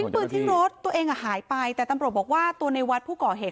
ปืนทิ้งรถตัวเองอ่ะหายไปแต่ตำรวจบอกว่าตัวในวัดผู้ก่อเหตุ